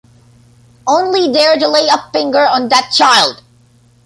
Only dare to lay a finger on that child!